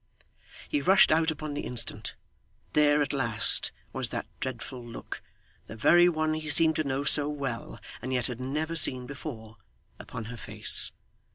He rushed out upon the instant. There, at last, was that dreadful look the very one he seemed to know so well and yet had never seen before upon her face.